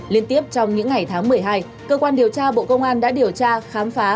liên tiếp trong những ngày tháng một mươi hai cơ quan điều tra bộ công an đã điều tra khám phá